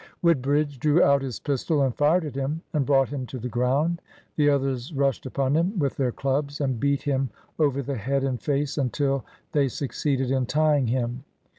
"Woodbridge drew out his pistol and fired at him, and brought him to the ground. The others rushed upon him with their clubs, and beat him over the head and face until they succeeded in tying him.